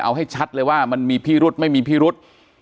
เอาให้ชัดเลยว่ามันมีพิรุษไม่มีพิรุษ